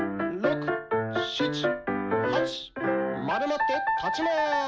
まるまって立ちまーす。